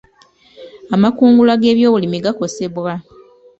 Amakungula g'ebyobulimi gakosebwa.